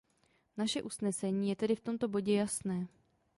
Naše usnesení je tedy v tomto bodě jasné.